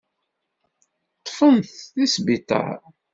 Ṭṭfen-t deg sbiṭar.